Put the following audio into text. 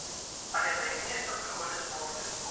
Але на іх месца прыходзяць новыя.